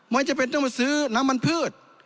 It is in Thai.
ไม่จำเป็นต้องมาซื้อน้ำมันพืช